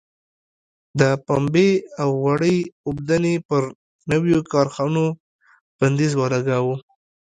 د پنبې او وړۍ اوبدنې پر نویو کارخونو بندیز ولګاوه.